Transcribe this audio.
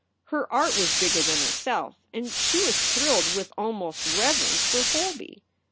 Her art was bigger than herself and she was thrilled with almost reverence for Holby.